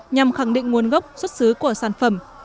nhằm khẳng định nguồn gốc xuất xứ của sản phẩm